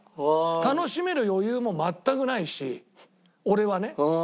楽しめる余裕も全くないし俺はね。